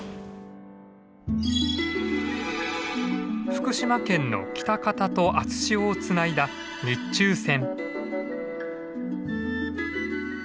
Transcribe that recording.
福島県の喜多方と熱塩をつないだ日中線。